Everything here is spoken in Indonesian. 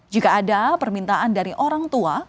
jika ada permintaan dari orang tua